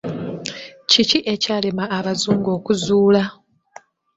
Kiki ekyalema abazungu okuzuula?